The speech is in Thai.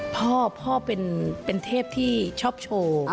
พ่อพ่อเป็นเทพที่ชอบโชว์